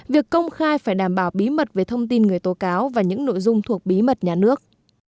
việc công khai phải đảm bảo bí mật về thông tin người tố cáo và những nội dung thuộc bí mật nhà nước